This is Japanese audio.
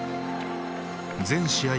全試合